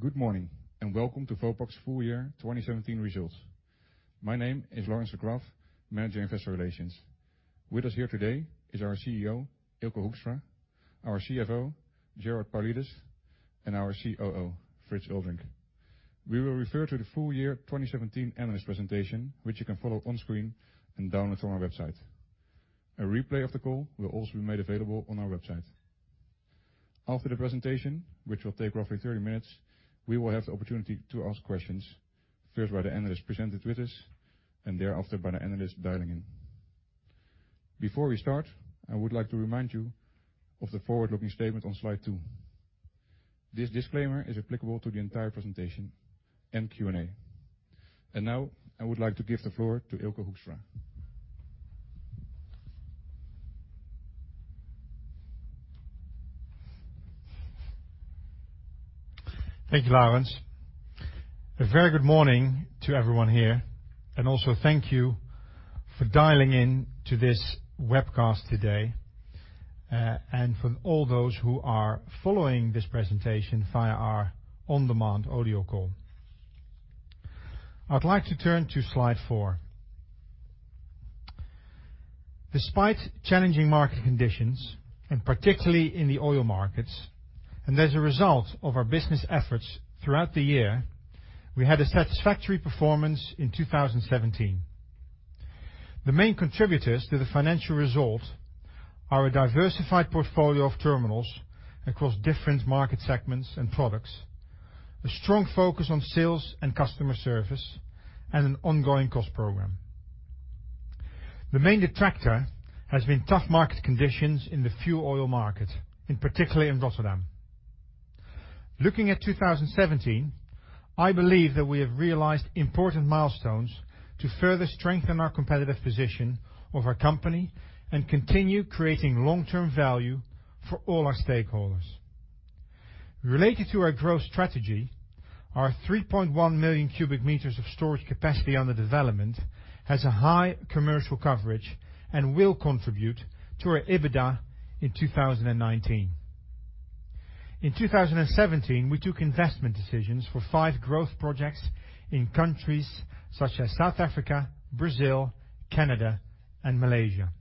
Good morning, welcome to Vopak's full year 2017 results. My name is Laurens de Graaf, Managing Investor Relations. With us here today is our CEO, Eelco Hoekstra, our CFO, Gerard Paulides, and our COO, Frits Eulderink. We will refer to the full year 2017 analyst presentation, which you can follow on screen and download from our website. A replay of the call will also be made available on our website. After the presentation, which will take roughly 30 minutes, we will have the opportunity to ask questions, first by the analysts presented with us, and thereafter by the analysts dialing in. Before we start, I would like to remind you of the forward-looking statement on slide two. This disclaimer is applicable to the entire presentation and Q&A. Now I would like to give the floor to Eelco Hoekstra. Thank you, Laurens. A very good morning to everyone here, and also thank you for dialing in to this webcast today, and for all those who are following this presentation via our on-demand audio call. I'd like to turn to slide four. Despite challenging market conditions, and particularly in the oil markets, and as a result of our business efforts throughout the year, we had a satisfactory performance in 2017. The main contributors to the financial results are a diversified portfolio of terminals across different market segments and products, a strong focus on sales and customer service, and an ongoing cost program. The main detractor has been tough market conditions in the fuel oil market, and particularly in Rotterdam. Looking at 2017, I believe that we have realized important milestones to further strengthen our competitive position of our company and continue creating long-term value for all our stakeholders. Related to our growth strategy, our 3.1 million cubic meters of storage capacity under development has a high commercial coverage and will contribute to our EBITDA in 2019. In 2017, we took investment decisions for five growth projects in countries such as South Africa, Brazil, Canada, and Malaysia.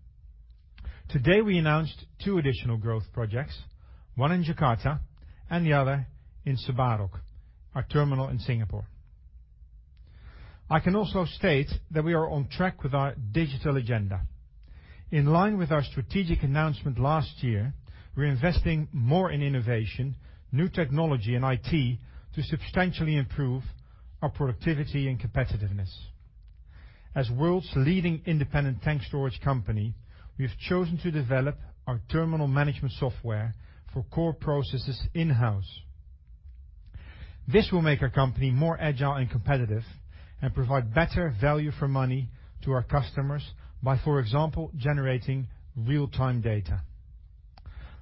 Today, we announced two additional growth projects, one in Jakarta and the other in Sebarok, our terminal in Singapore. I can also state that we are on track with our digital agenda. In line with our strategic announcement last year, we are investing more in innovation, new technology, and IT to substantially improve our productivity and competitiveness. As world's leading independent tank storage company, we have chosen to develop our terminal management software for core processes in-house. This will make our company more agile and competitive and provide better value for money to our customers by, for example, generating real-time data.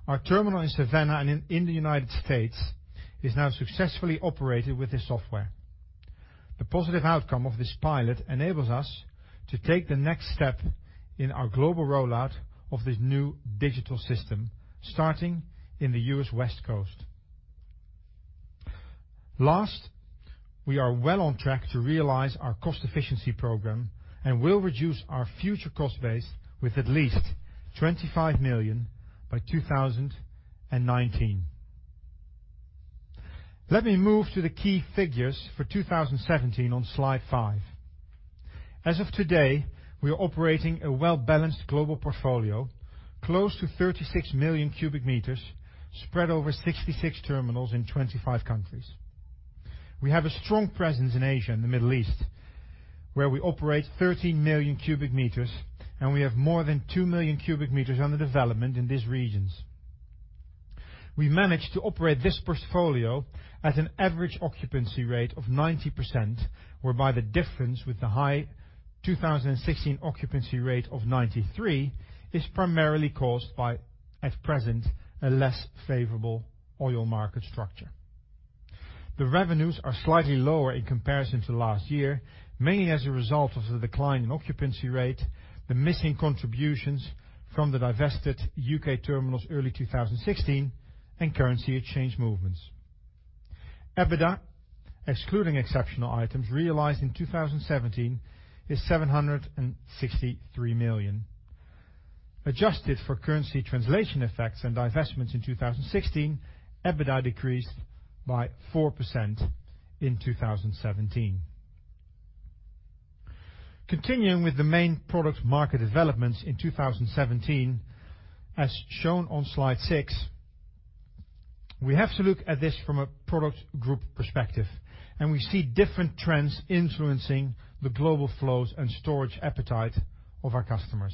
Our terminal in Savannah in the U.S. is now successfully operated with this software. The positive outcome of this pilot enables us to take the next step in our global rollout of this new digital system, starting in the U.S. West Coast. Last, we are well on track to realize our cost efficiency program and will reduce our future cost base with at least 25 million by 2019. Let me move to the key figures for 2017 on slide five. As of today, we are operating a well-balanced global portfolio, close to 36 million cubic meters, spread over 66 terminals in 25 countries. We have a strong presence in Asia and the Middle East, where we operate 13 million cubic meters, and we have more than 2 million cubic meters under development in these regions. We managed to operate this portfolio at an average occupancy rate of 90%, whereby the difference with the high 2016 occupancy rate of 93% is primarily caused by, at present, a less favorable oil market structure. The revenues are slightly lower in comparison to last year, mainly as a result of the decline in occupancy rate, the missing contributions from the divested U.K. terminals early 2016, and currency exchange movements. EBITDA, excluding exceptional items realized in 2017, is 763 million. Adjusted for currency translation effects and divestments in 2016, EBITDA decreased by 4% in 2017. Continuing with the main product market developments in 2017, as shown on slide six, we have to look at this from a product group perspective, and we see different trends influencing the global flows and storage appetite of our customers.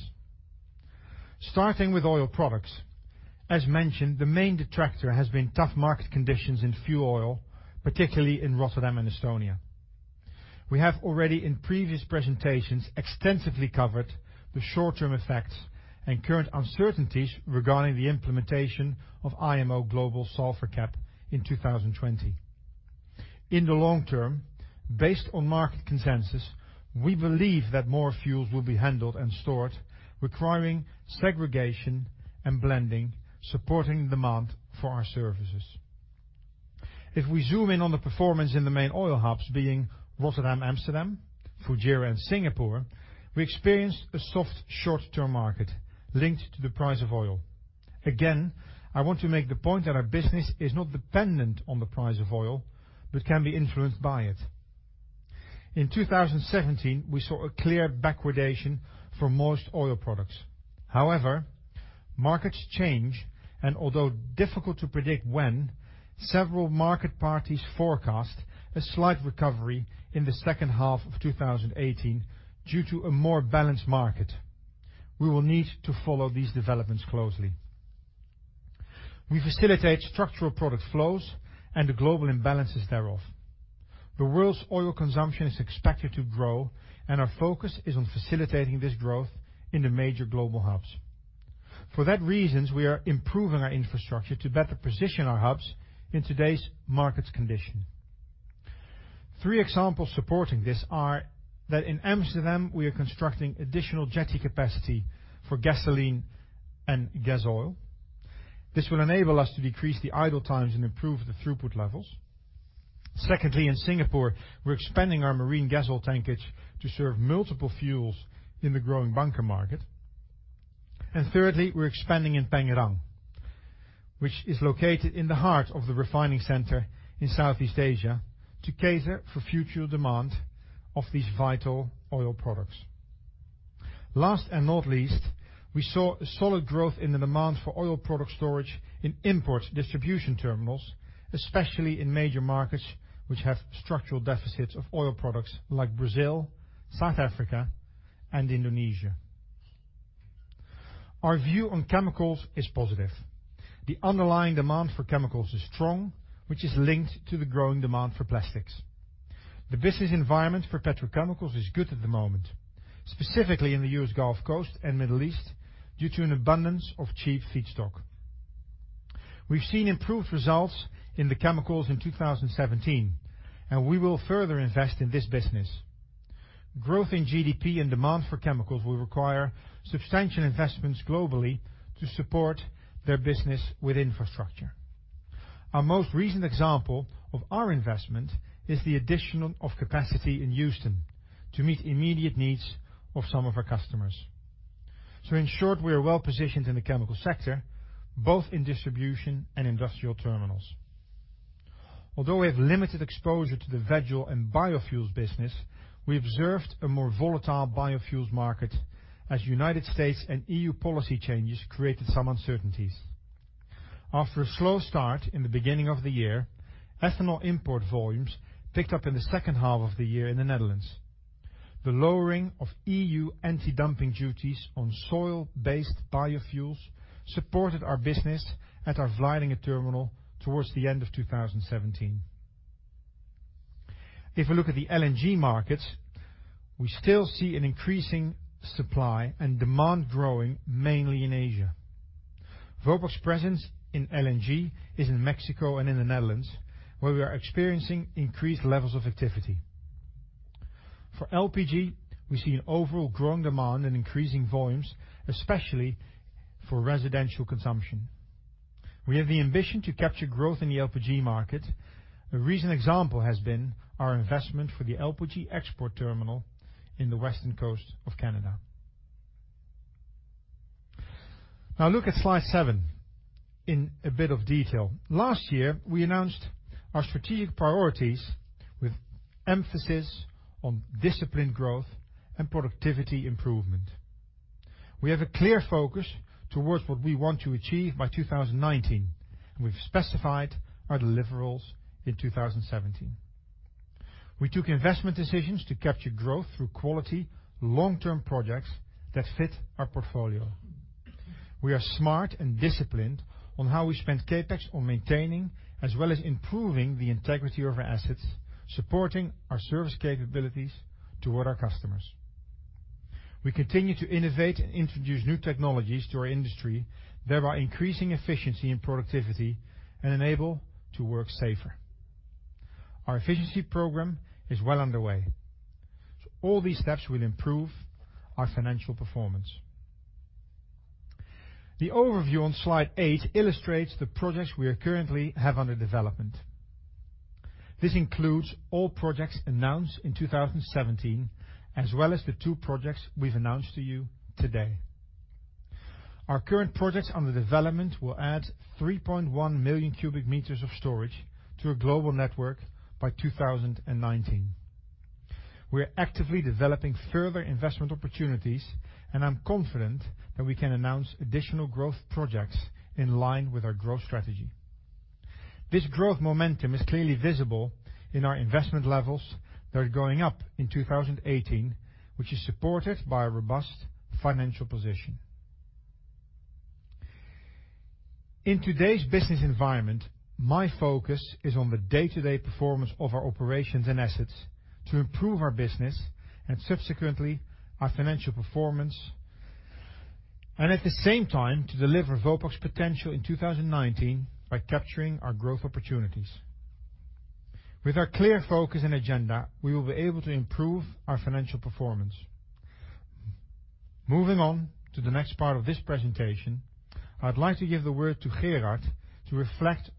Starting with oil products. As mentioned, the main detractor has been tough market conditions in fuel oil, particularly in Rotterdam and Estonia. We have already in previous presentations extensively covered the short-term effects and current uncertainties regarding the implementation of IMO 2020 Global Sulphur Cap. In the long term, based on market consensus, we believe that more fuels will be handled and stored, requiring segregation and blending, supporting demand for our services. If we zoom in on the performance in the main oil hubs being Rotterdam, Amsterdam, Fujairah, and Singapore, we experienced a soft short-term market linked to the price of oil. Again, I want to make the point that our business is not dependent on the price of oil but can be influenced by it. In 2017, we saw a clear backwardation for most oil products. Markets change, and although difficult to predict when, several market parties forecast a slight recovery in the second half of 2018 due to a more balanced market. We will need to follow these developments closely. We facilitate structural product flows and the global imbalances thereof. The world's oil consumption is expected to grow, and our focus is on facilitating this growth in the major global hubs. For that reason, we are improving our infrastructure to better position our hubs in today's markets condition. Three examples supporting this are that in Amsterdam, we are constructing additional jetty capacity for gasoline and gasoil. This will enable us to decrease the idle times and improve the throughput levels. Secondly, in Singapore, we're expanding our marine gasoil tankage to serve multiple fuels in the growing bunker market. Thirdly, we're expanding in Pengerang, which is located in the heart of the refining center in Southeast Asia to cater for future demand of these vital oil products. Last and not least, we saw a solid growth in the demand for oil product storage in import distribution terminals, especially in major markets which have structural deficits of oil products like Brazil, South Africa, and Indonesia. Our view on chemicals is positive. The underlying demand for chemicals is strong, which is linked to the growing demand for plastics. The business environment for petrochemicals is good at the moment, specifically in the U.S. Gulf Coast and Middle East due to an abundance of cheap feedstock. We've seen improved results in the chemicals in 2017, and we will further invest in this business. Growth in GDP and demand for chemicals will require substantial investments globally to support their business with infrastructure. Our most recent example of our investment is the addition of capacity in Houston to meet immediate needs of some of our customers. In short, we are well-positioned in the chemical sector, both in distribution and industrial terminals. Although we have limited exposure to the vegetable and biofuels business, we observed a more volatile biofuels market as U.S. and EU policy changes created some uncertainties. After a slow start in the beginning of the year, ethanol import volumes picked up in the second half of the year in the Netherlands. The lowering of EU anti-dumping duties on soy-based biofuels supported our business at our Vlissingen terminal towards the end of 2017. If we look at the LNG markets, we still see an increasing supply and demand growing mainly in Asia. Vopak's presence in LNG is in Mexico and in the Netherlands, where we are experiencing increased levels of activity. For LPG, we see an overall growing demand and increasing volumes, especially for residential consumption. We have the ambition to capture growth in the LPG market. A recent example has been our investment for the LPG export terminal in the western coast of Canada. Look at slide seven in a bit of detail. Last year, we announced our strategic priorities with emphasis on disciplined growth and productivity improvement. We have a clear focus towards what we want to achieve by 2019, and we've specified our deliverables in 2017. We took investment decisions to capture growth through quality long-term projects that fit our portfolio. We are smart and disciplined on how we spend CapEx on maintaining as well as improving the integrity of our assets, supporting our service capabilities toward our customers. We continue to innovate and introduce new technologies to our industry, thereby increasing efficiency and productivity and enable to work safer. Our efficiency program is well underway. All these steps will improve our financial performance. The overview on slide eight illustrates the projects we currently have under development. This includes all projects announced in 2017, as well as the two projects we've announced to you today. Our current projects under development will add 3.1 million cubic meters of storage to our global network by 2019. We are actively developing further investment opportunities, and I'm confident that we can announce additional growth projects in line with our growth strategy. This growth momentum is clearly visible in our investment levels that are going up in 2018, which is supported by a robust financial position. In today's business environment, my focus is on the day-to-day performance of our operations and assets to improve our business and subsequently our financial performance At the same time to deliver Vopak's potential in 2019 by capturing our growth opportunities. With our clear focus and agenda, we will be able to improve our financial performance. Moving on to the next part of this presentation, I'd like to give the word to Gerard to reflect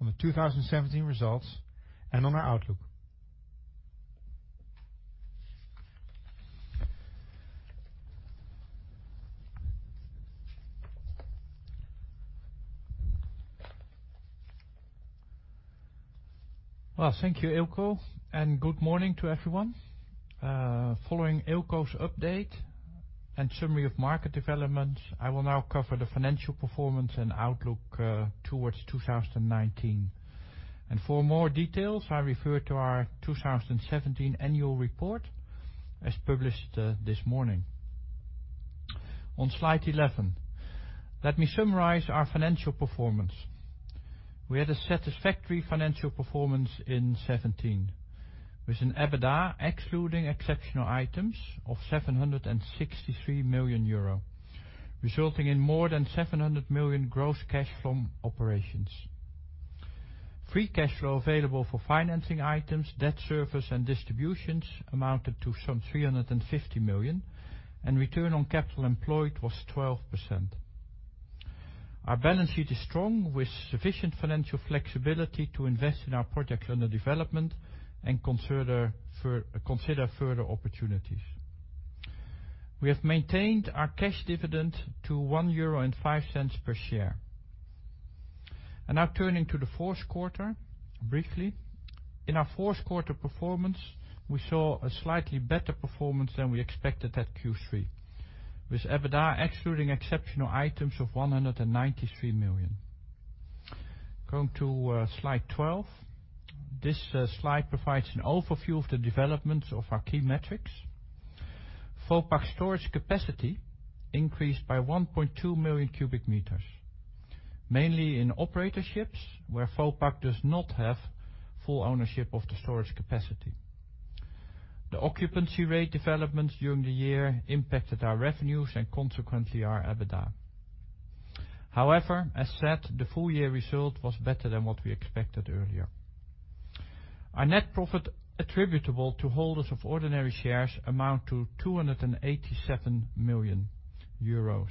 on the 2017 results and on our outlook. Well, thank you, Eelco, and good morning to everyone. Following Eelco's update and summary of market developments, I will now cover the financial performance and outlook towards 2019. For more details, I refer to our 2017 annual report as published this morning. On slide 11, let me summarize our financial performance. We had a satisfactory financial performance in 2017, with an EBITDA excluding exceptional items of 763 million euro, resulting in more than 700 million gross cash from operations. Free cash flow available for financing items, debt service and distributions amounted to some 350 million, and return on capital employed was 12%. Our balance sheet is strong with sufficient financial flexibility to invest in our projects under development and consider further opportunities. We have maintained our cash dividend to 1.05 euro per share. Now turning to the fourth quarter, briefly. In our fourth quarter performance, we saw a slightly better performance than we expected at Q3, with EBITDA excluding exceptional items of 193 million. Going to slide 12. This slide provides an overview of the developments of our key metrics. Vopak storage capacity increased by 1.2 million cubic meters, mainly in operatorships where Vopak does not have full ownership of the storage capacity. The occupancy rate developments during the year impacted our revenues and consequently our EBITDA. However, as said, the full year result was better than what we expected earlier. Our net profit attributable to holders of ordinary shares amount to 287 million euros,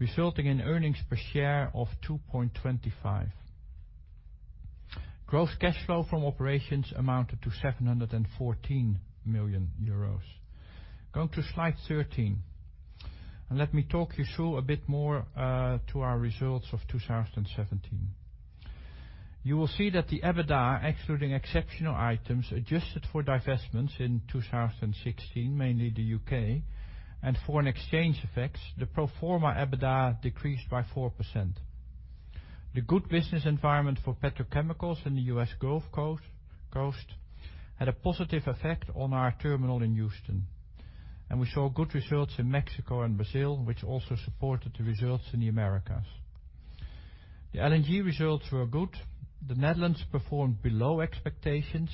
resulting in earnings per share of 2.25. Gross cash flow from operations amounted to 714 million euros. Going to slide 13, let me talk you through a bit more to our results of 2017. You will see that the EBITDA, excluding exceptional items adjusted for divestments in 2016, mainly the U.K. and foreign exchange effects, the pro forma EBITDA decreased by 4%. The good business environment for petrochemicals in the U.S. Gulf Coast had a positive effect on our terminal in Houston. We saw good results in Mexico and Brazil, which also supported the results in the Americas. The LNG results were good. The Netherlands performed below expectations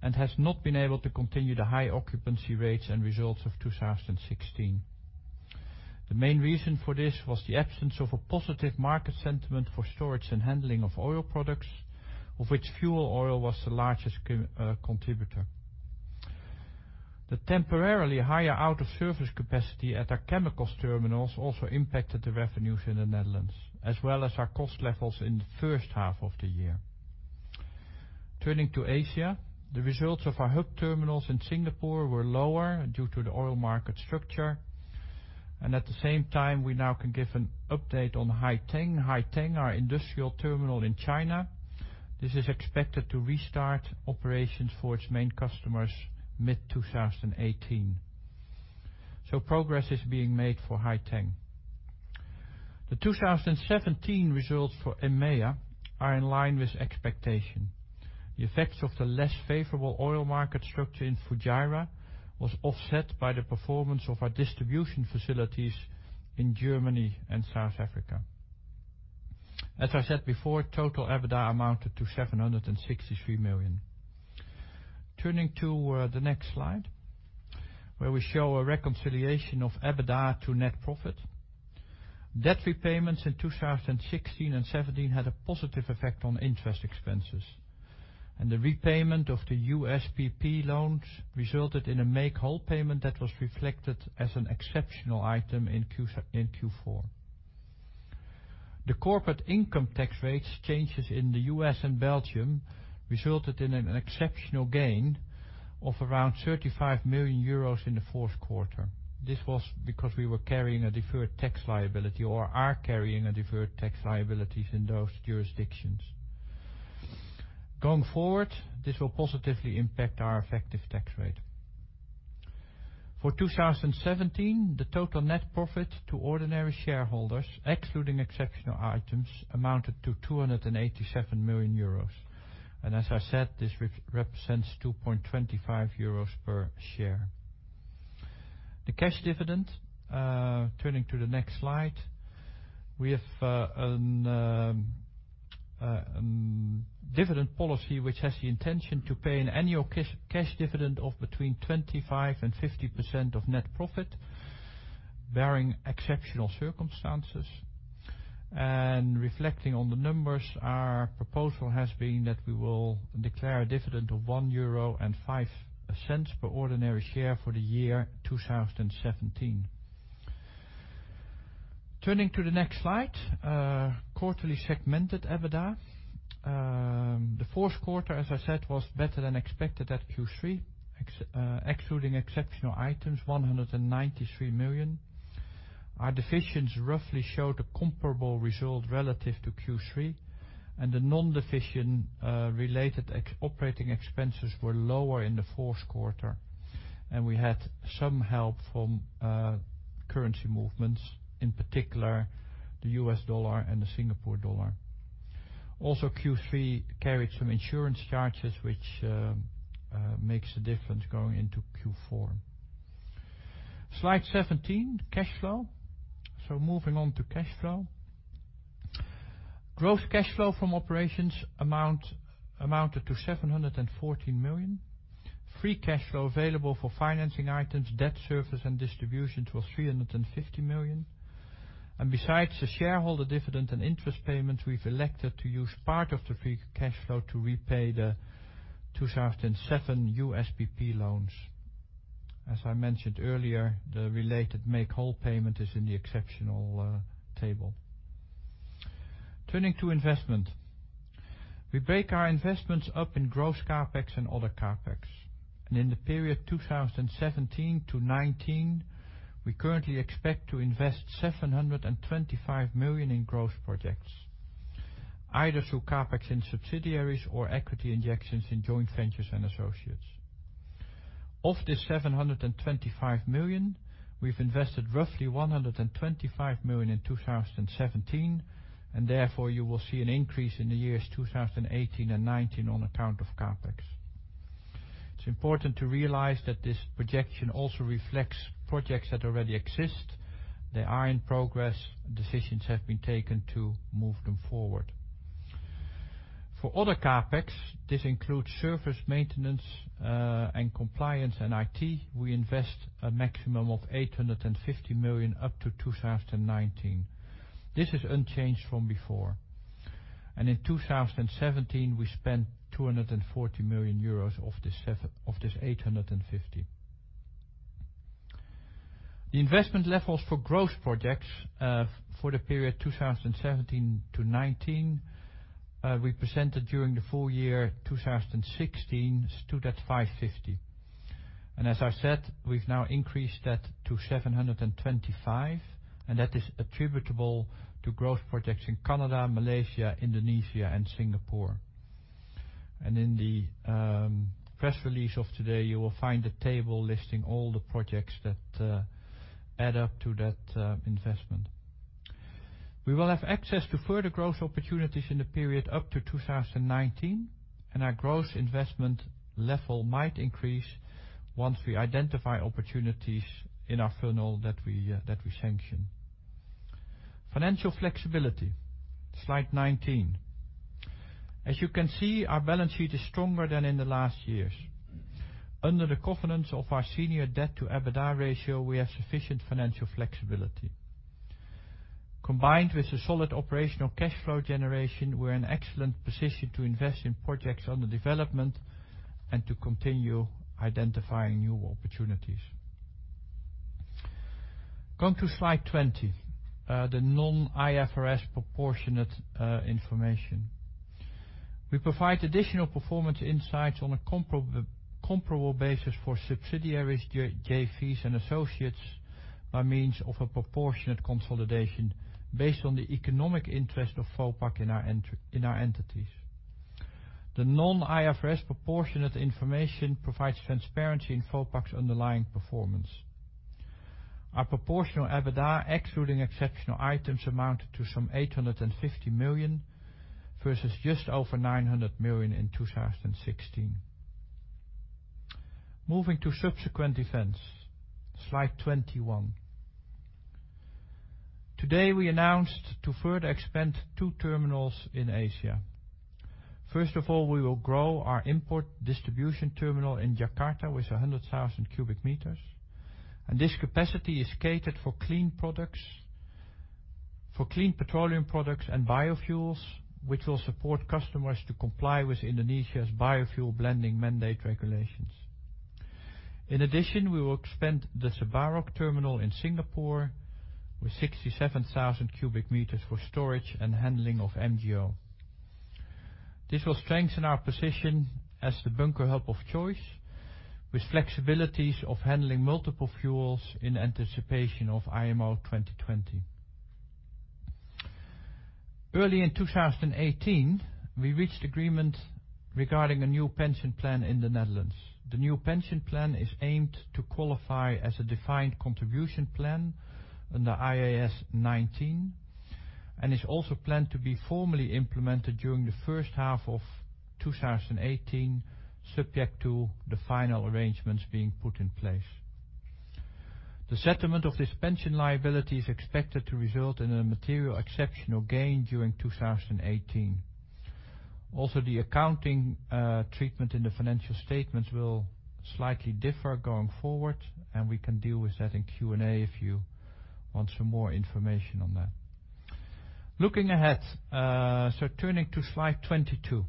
and has not been able to continue the high occupancy rates and results of 2016. The main reason for this was the absence of a positive market sentiment for storage and handling of oil products, of which fuel oil was the largest contributor. The temporarily higher out of service capacity at our chemical terminals also impacted the revenues in the Netherlands, as well as our cost levels in the first half of the year. Turning to Asia, the results of our hub terminals in Singapore were lower due to the oil market structure. At the same time, we now can give an update on Haiteng. Haiteng, our industrial terminal in China, this is expected to restart operations for its main customers mid-2018. Progress is being made for Haiteng. The 2017 results for EMEA are in line with expectation. The effects of the less favorable oil market structure in Fujairah was offset by the performance of our distribution facilities in Germany and South Africa. As I said before, total EBITDA amounted to 763 million. Turning to the next slide, where we show a reconciliation of EBITDA to net profit. Debt repayments in 2016 and 2017 had a positive effect on interest expenses, and the repayment of the USPP loans resulted in a make whole payment that was reflected as an exceptional item in Q4. The corporate income tax rates changes in the U.S. and Belgium resulted in an exceptional gain of around 35 million euros in the fourth quarter. This was because we were carrying a deferred tax liability, or are carrying a deferred tax liabilities in those jurisdictions. Going forward, this will positively impact our effective tax rate. For 2017, the total net profit to ordinary shareholders, excluding exceptional items, amounted to 287 million euros. As I said, this represents 2.25 euros per share. The cash dividend, turning to the next slide. We have a dividend policy which has the intention to pay an annual cash dividend of between 25%-50% of net profit, barring exceptional circumstances. Reflecting on the numbers, our proposal has been that we will declare a dividend of 1.05 euro per ordinary share for the year 2017. Turning to the next slide. Quarterly segmented EBITDA. The fourth quarter, as I said, was better than expected at Q3, excluding exceptional items, 193 million. Our divisions roughly showed a comparable result relative to Q3, and the non-division related operating expenses were lower in the fourth quarter, and we had some help from currency movements, in particular the U.S. dollar and the Singapore dollar. Also, Q3 carried some insurance charges, which makes a difference going into Q4. Slide 17, cash flow. Moving on to cash flow. Growth cash flow from operations amounted to 714 million. Free cash flow available for financing items, debt service, and distributions was 350 million. Besides the shareholder dividend and interest payments, we've elected to use part of the free cash flow to repay the 2007 USPP loans. As I mentioned earlier, the related make whole payment is in the exceptional table. Turning to investment. We break our investments up in gross CapEx and other CapEx. In the period 2017-2019, we currently expect to invest 725 million in growth projects, either through CapEx in subsidiaries or equity injections in joint ventures and associates. Of this 725 million, we've invested roughly 125 million in 2017, and therefore you will see an increase in the years 2018 and 2019 on account of CapEx. It's important to realize that this projection also reflects projects that already exist. They are in progress. Decisions have been taken to move them forward. For other CapEx, this includes service maintenance, and compliance, and IT. We invest a maximum of 850 million up to 2019. This is unchanged from before. In 2017, we spent 240 million euros of this 850. The investment levels for growth projects, for the period 2017-2019, we presented during the full year 2016, stood at 550 million. As I said, we've now increased that to 725 million, and that is attributable to growth projects in Canada, Malaysia, Indonesia, and Singapore. In the press release of today, you will find a table listing all the projects that add up to that investment. We will have access to further growth opportunities in the period up to 2019, and our growth investment level might increase once we identify opportunities in our funnel that we sanction. Financial flexibility, slide 19. As you can see, our balance sheet is stronger than in the last years. Under the covenants of our senior debt to EBITDA ratio, we have sufficient financial flexibility. Combined with the solid operational cash flow generation, we're in excellent position to invest in projects under development and to continue identifying new opportunities. Going to slide 20, the non-IFRS proportionate information. We provide additional performance insights on a comparable basis for subsidiaries, JVs, and associates by means of a proportionate consolidation based on the economic interest of Vopak in our entities. The non-IFRS proportionate information provides transparency in Vopak's underlying performance. Our proportional EBITDA, excluding exceptional items, amounted to some 850 million versus just over 900 million in 2016. Moving to subsequent events, slide 21. Today, we announced to further expand two terminals in Asia. First of all, we will grow our import distribution terminal in Jakarta with 100,000 cubic meters. This capacity is catered for clean petroleum products and biofuels, which will support customers to comply with Indonesia's biofuel blending mandate regulations. In addition, we will expand the Sebarok terminal in Singapore with 67,000 cubic meters for storage and handling of MGO. This will strengthen our position as the bunker hub of choice with flexibilities of handling multiple fuels in anticipation of IMO 2020. Early in 2018, we reached agreement regarding a new pension plan in the Netherlands. The new pension plan is aimed to qualify as a defined contribution plan under IAS 19, and is also planned to be formally implemented during the first half of 2018, subject to the final arrangements being put in place. The settlement of this pension liability is expected to result in a material exceptional gain during 2018. Also, the accounting treatment in the financial statements will slightly differ going forward, and we can deal with that in Q&A if you want some more information on that. Looking ahead. Turning to slide 22.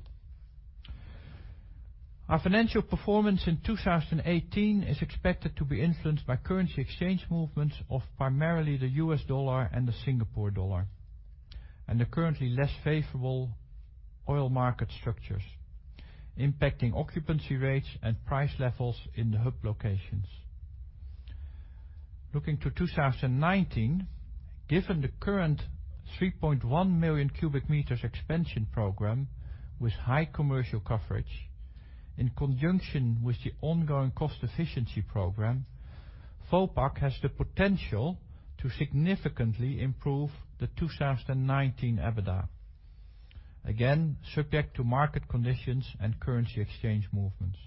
Our financial performance in 2018 is expected to be influenced by currency exchange movements of primarily the US dollar and the Singapore dollar, and the currently less favorable oil market structures impacting occupancy rates and price levels in the hub locations. Looking to 2019, given the current 3.1 million cubic meters expansion program with high commercial coverage, in conjunction with the ongoing cost efficiency program, Vopak has the potential to significantly improve the 2019 EBITDA. Again, subject to market conditions and currency exchange movements.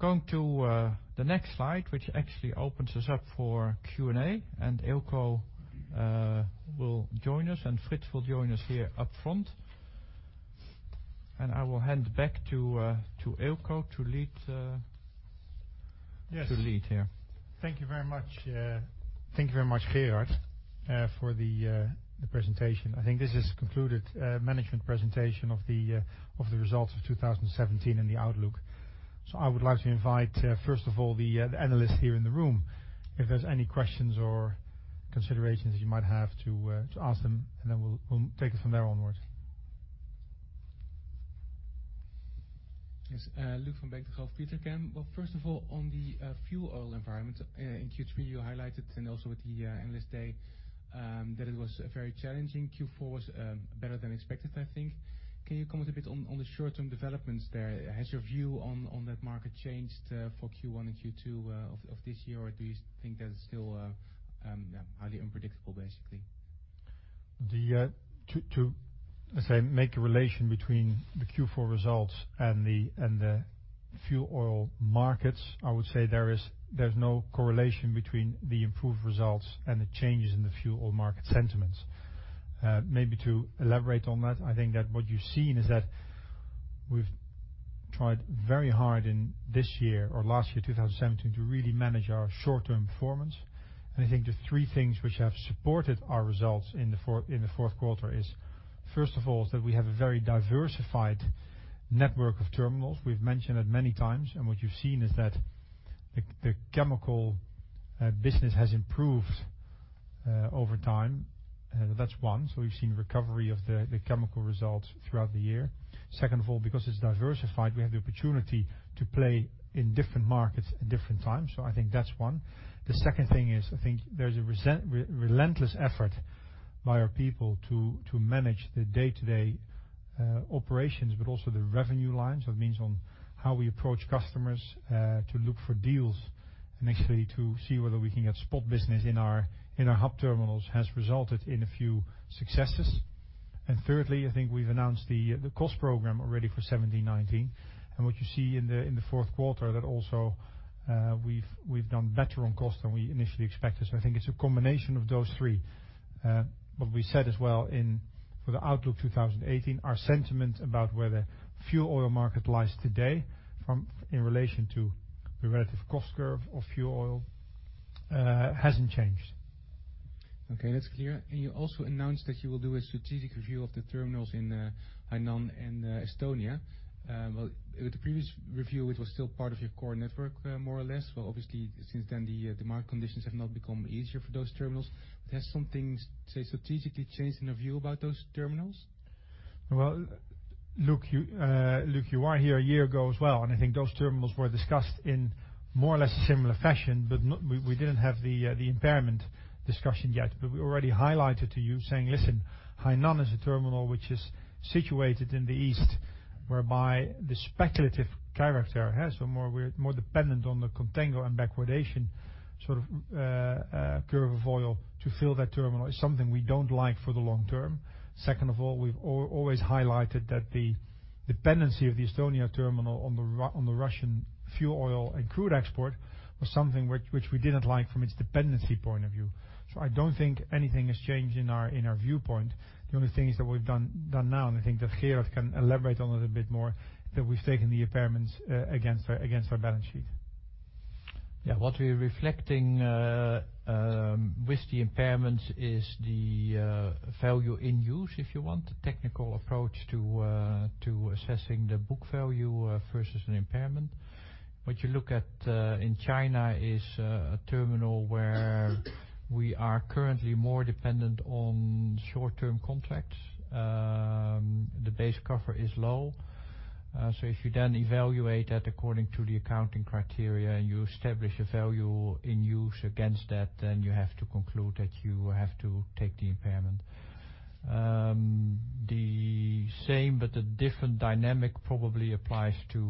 Going to the next slide, which actually opens us up for Q&A, and Eelco will join us, and Frits will join us here up front. I will hand back to Eelco to lead here. Yes. Thank you very much, Gerard, for the presentation. I think this has concluded management presentation of the results of 2017 and the outlook. I would like to invite, first of all, the analysts here in the room, if there's any questions or considerations that you might have, to ask them, and then we'll take it from there onwards. Yes. Luuk van Beek from Petercam. Well, first of all, on the fuel oil environment, in Q3, you highlighted, and also at the analyst day, that it was a very challenging Q4. Was better than expected, I think. Can you comment a bit on the short-term developments there? Has your view on that market changed for Q1 and Q2 of this year? Do you think that it's still highly unpredictable, basically? To, let's say, make a relation between the Q4 results and the fuel oil markets, I would say there's no correlation between the improved results and the changes in the fuel oil market sentiments. Maybe to elaborate on that, I think that what you've seen is that we've tried very hard in this year or last year, 2017, to really manage our short-term performance. I think the three things which have supported our results in the fourth quarter is, first of all, is that we have a very diversified network of terminals. We've mentioned it many times, and what you've seen is that the chemical business has improved over time. That's one. We've seen recovery of the chemical results throughout the year. Second of all, because it's diversified, we have the opportunity to play in different markets at different times. I think that's one. The second thing is, I think there's a relentless effort by our people to manage the day-to-day operations, also the revenue lines. That means on how we approach customers to look for deals, actually to see whether we can get spot business in our hub terminals, has resulted in a few successes. Thirdly, I think we've announced the cost program already for 2017-2019. What you see in the fourth quarter, that also we've done better on cost than we initially expected. I think it's a combination of those three. What we said as well for the outlook 2018, our sentiment about where the fuel oil market lies today in relation to the relative cost curve of fuel oil, hasn't changed. That's clear. You also announced that you will do a strategic review of the terminals in Hainan and Estonia. With the previous review, it was still part of your core network, more or less. Obviously since then, the market conditions have not become easier for those terminals. Has something, say, strategically changed in your view about those terminals? Luuk, you were here a year ago as well, I think those terminals were discussed in more or less a similar fashion, we didn't have the impairment discussion yet. We already highlighted to you saying, listen, Hainan is a terminal which is situated in the East, whereby the speculative character it has, so more dependent on the contango and backwardation sort of curve of oil to fill that terminal, is something we don't like for the long term. Second of all, we've always highlighted that the dependency of the Estonia terminal on the Russian fuel oil and crude export was something which we didn't like from its dependency point of view. I don't think anything has changed in our viewpoint. The only thing is that we've done now, I think that Gerard can elaborate on it a bit more, that we've taken the impairments against our balance sheet. Yeah. What we're reflecting with the impairments is the value in use, if you want, the technical approach to assessing the book value versus an impairment. What you look at in China is a terminal where we are currently more dependent on short-term contracts. The base cover is low. If you then evaluate that according to the accounting criteria and you establish a value in use against that, then you have to conclude that you have to take the impairment. The same but a different dynamic probably applies to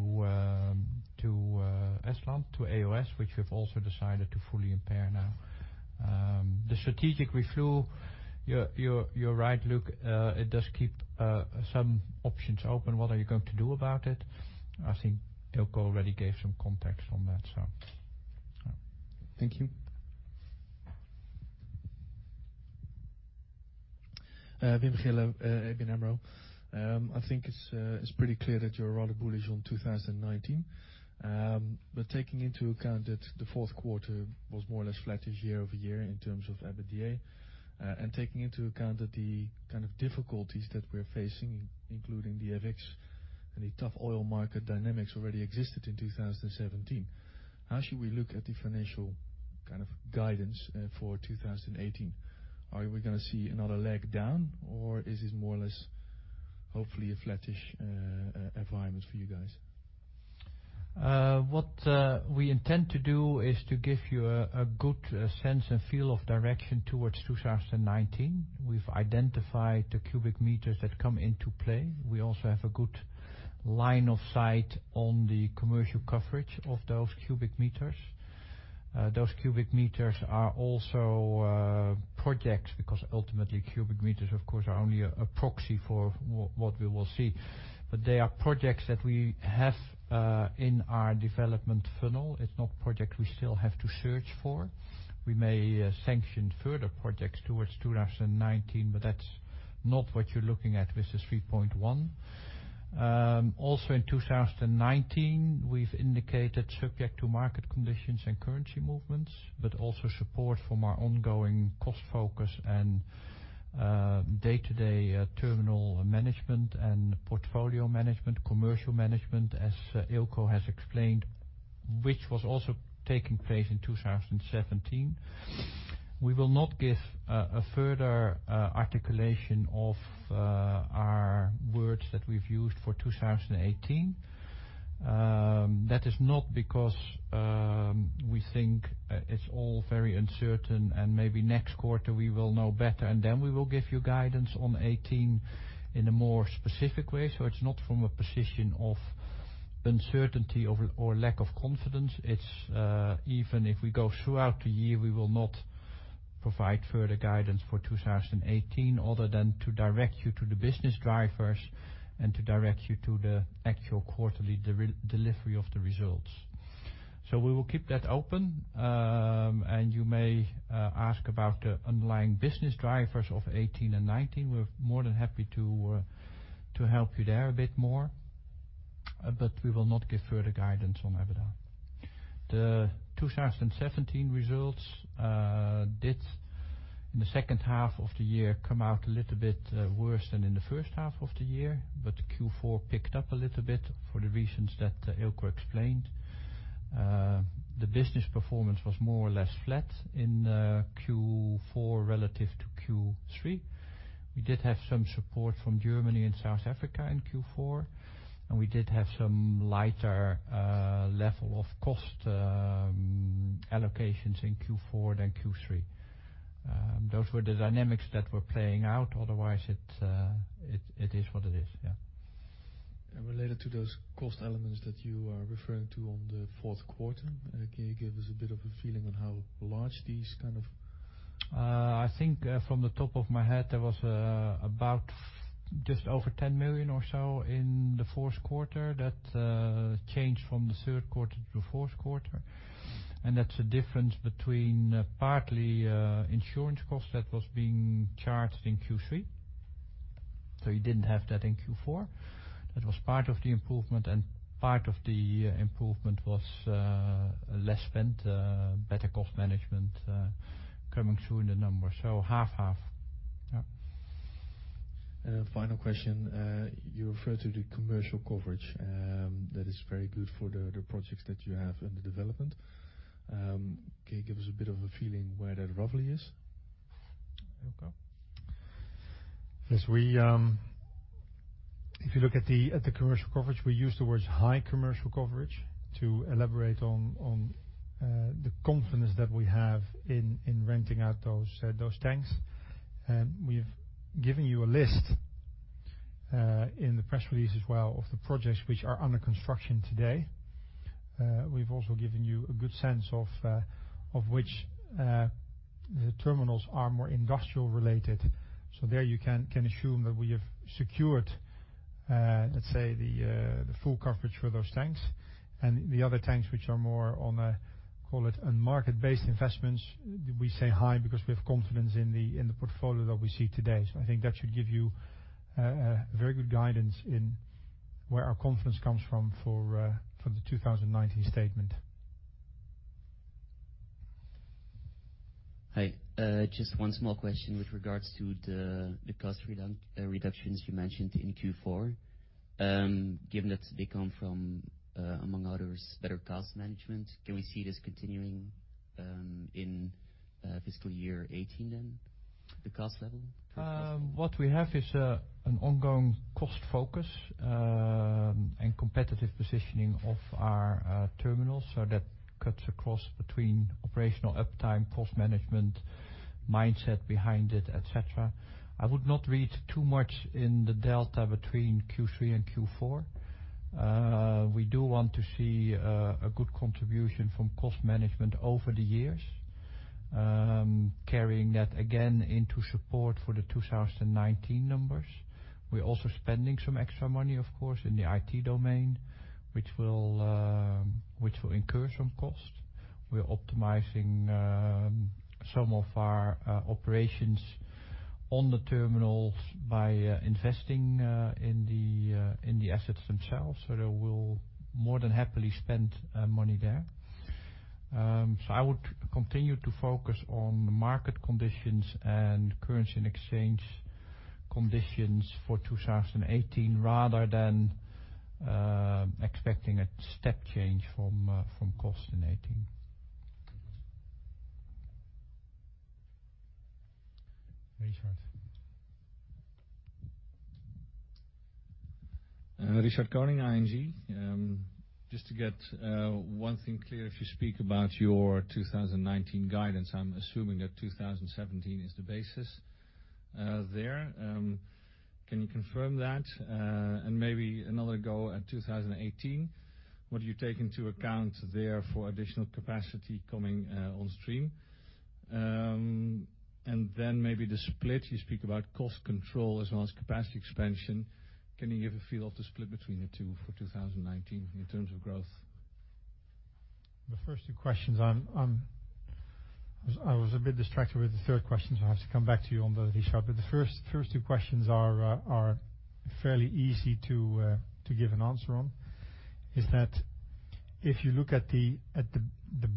Estland, to E.O.S., which we've also decided to fully impair now. The strategic review, you're right, Luuk, it does keep some options open. What are you going to do about it? I think Eelco already gave some context on that. Thank you. Wim Gille, ABN AMRO. I think it's pretty clear that you're rather bullish on 2019. Taking into account that the fourth quarter was more or less flattish year-over-year in terms of EBITDA, and taking into account that the kind of difficulties that we're facing, including the FX and the tough oil market dynamics already existed in 2017, how should we look at the financial guidance for 2018? Are we going to see another leg down, or is this more or less, hopefully, a flattish environment for you guys? What we intend to do is to give you a good sense and feel of direction towards 2019. We've identified the cubic meters that come into play. We also have a good line of sight on the commercial coverage of those cubic meters. Those cubic meters are also projects, because ultimately, cubic meters, of course, are only a proxy for what we will see. They are projects that we have in our development funnel. It's not projects we still have to search for. We may sanction further projects towards 2019, but that's not what you're looking at with the 3.1. Also in 2019, we've indicated subject to market conditions and currency movements, but also support from our ongoing cost focus and day-to-day terminal management and portfolio management, commercial management, as Eelco has explained, which was also taking place in 2017. We will not give a further articulation of our words that we've used for 2018. That is not because we think it's all very uncertain and maybe next quarter we will know better, then we will give you guidance on 2018 in a more specific way. It's not from a position of uncertainty or lack of confidence. Even if we go throughout the year, we will not provide further guidance for 2018 other than to direct you to the business drivers and to direct you to the actual quarterly delivery of the results. We will keep that open. You may ask about the underlying business drivers of 2018 and 2019. We're more than happy to help you there a bit more. We will not give further guidance on EBITDA. The 2017 results did, in the second half of the year, come out a little bit worse than in the first half of the year. Q4 picked up a little bit for the reasons that Eelco explained. The business performance was more or less flat in Q4 relative to Q3. We did have some support from Germany and South Africa in Q4. We did have some lighter level of cost allocations in Q4 than Q3. Those were the dynamics that were playing out. Otherwise, it is what it is. Yeah. Related to those cost elements that you are referring to on the fourth quarter, can you give us a bit of a feeling on how large these kind of? I think from the top of my head, there was about just over 10 million or so in the fourth quarter that changed from the third quarter to fourth quarter. That's a difference between partly insurance costs that was being charged in Q3. You didn't have that in Q4. That was part of the improvement. Part of the improvement was less spent, better cost management coming through in the numbers. Half-half. Yeah. Final question. You refer to the commercial coverage. That is very good for the projects that you have in the development. Can you give us a bit of a feeling where that roughly is, Eelco? Yes, if you look at the commercial coverage, we use the words high commercial coverage to elaborate on the confidence that we have in renting out those tanks. We've given you a list in the press release as well of the projects which are under construction today. We've also given you a good sense of which terminals are more industrial related. There you can assume that we have secured, let's say, the full coverage for those tanks and the other tanks which are more on a, call it, market-based investments. We say high because we have confidence in the portfolio that we see today. I think that should give you a very good guidance in where our confidence comes from for the 2019 statement. Hi. Just one small question with regards to the cost reductions you mentioned in Q4. Given that they come from, among others, better cost management, can we see this continuing in FY 2018, the cost level? What we have is an ongoing cost focus and competitive positioning of our terminals. That cuts across between operational uptime, cost management mindset behind it, et cetera. I would not read too much in the delta between Q3 and Q4. We do want to see a good contribution from cost management over the years, carrying that again into support for the 2019 numbers. We're also spending some extra money, of course, in the IT domain, which will incur some cost. We're optimizing some of our operations on the terminals by investing in the assets themselves. They will more than happily spend money there. I would continue to focus on market conditions and currency and exchange conditions for 2018, rather than expecting a step change from cost in 2018. Richard. Richard Koning, ING. Just to get one thing clear, if you speak about your 2019 guidance, I'm assuming that 2017 is the basis there. Can you confirm that? Maybe another go at 2018, what do you take into account there for additional capacity coming on stream? Maybe the split, you speak about cost control as well as capacity expansion. Can you give a feel of the split between the two for 2019 in terms of growth? The first two questions, I was a bit distracted with the third question, so I have to come back to you on that, Richard. The first two questions are fairly easy to give an answer on. Is that if you look at the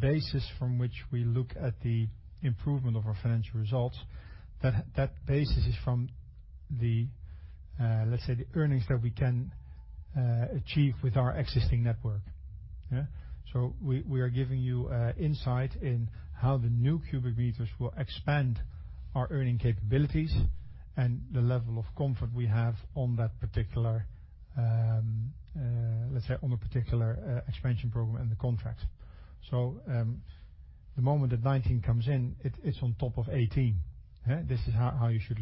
basis from which we look at the improvement of our financial results, that basis is from the, let's say, the earnings that we can achieve with our existing network. We are giving you insight in how the new cubic meters will expand our earning capabilities and the level of comfort we have on that particular expansion program and the contracts. The moment that 2019 comes in, it's on top of 2018. This is how you should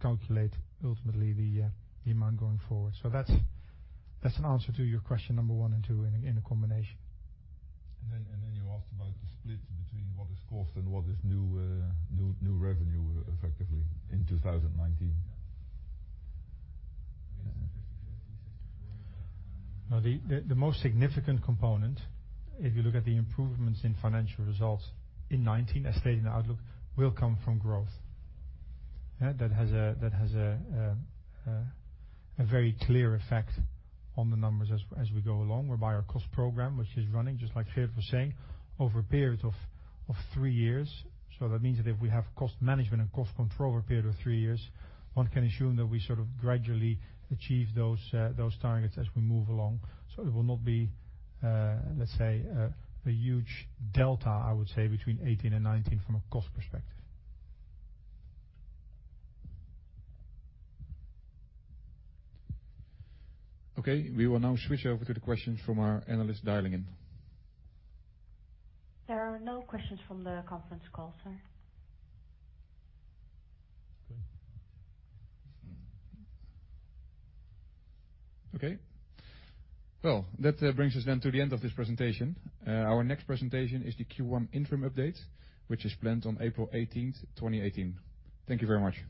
calculate ultimately the amount going forward. That's an answer to your question number one and two in a combination. You asked about the split between what is cost and what is new revenue effectively in 2019. Is it 50/50, 60/40? The most significant component, if you look at the improvements in financial results in 2019, as stated in the outlook, will come from growth. That has a very clear effect on the numbers as we go along, whereby our cost program, which is running just like Geert was saying, over a period of three years. That means that if we have cost management and cost control over a period of three years, one can assume that we gradually achieve those targets as we move along. It will not be, let's say, a huge delta, I would say, between 2018 and 2019 from a cost perspective. Okay. We will now switch over to the questions from our analysts dialing in. There are no questions from the conference call, sir. Okay. Well, that brings us then to the end of this presentation. Our next presentation is the Q1 interim update, which is planned on April 18th, 2018. Thank you very much